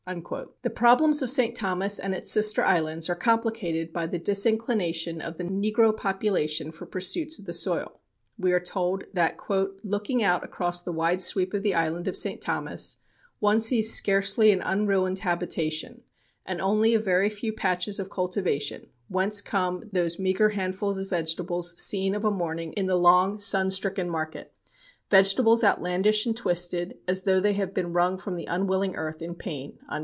The problems of St. Thomas and its sister islands are complicated by the disinclination of the negro population for pursuits of the soil. We are told that "looking out across the wide sweep of the island of St. Thomas, one sees scarcely an unruined habitation, and only a very few patches of cultivation, whence come those meager handfuls of vegetables seen of a morning in the long sun stricken market vegetables outlandish and twisted, as though they had been wrung from the unwilling earth in pain."